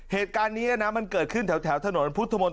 เหตุการณ์นี้นะมันเกิดขึ้นแถวถนนพุทธมนต